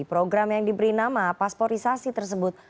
program yang diberi nama pasporisasi tersebut